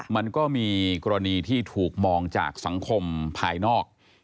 มันก็มีกรณีที่ถูกมองจากสังคมภายนอก